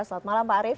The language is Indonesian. selamat malam pak arief